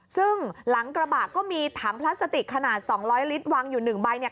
ซึ่งหลังกระบะก็มีถังพลาสติกขนาด๒๐๐ลิตรวางอยู่๑ใบเนี่ย